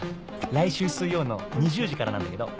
「来週水曜の２０時からなんだけど」。